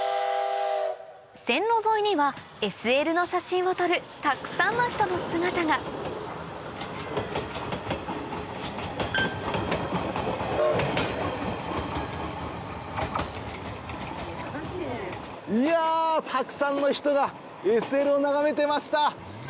線路沿いにはＳＬの写真を撮るたくさんの人の姿がいやたくさんの人がＳＬを眺めていました。